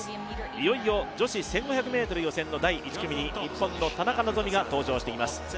いよいよ女子１５００ｍ予選の第１組に日本の田中希実が登場しています。